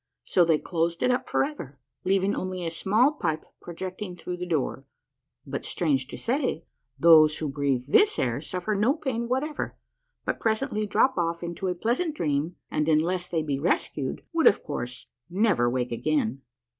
So they closed it up forever, leaving only a small pipe projecting through the door ; but, strange to say, those who breathe this air suffer no pain whatever, but presently drop off 106 A MARVELLOUS UNDERGROUND JOURNEY into a pleasant dream, and, unless they be rescued, would, of course, never wake again.